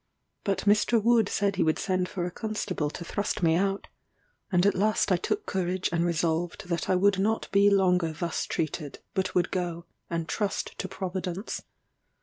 But Mr. Wood said he would send for a constable to thrust me out; and at last I took courage and resolved that I would not be longer thus treated, but would go and trust to Providence.